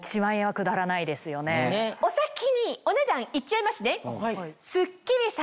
お先にお値段言っちゃいますね。